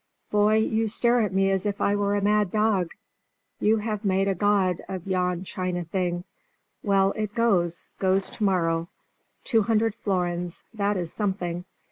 Boy, you stare at me as if I were a mad dog. You have made a god of yon china thing. Well it goes, goes to morrow. Two hundred florins, that is something.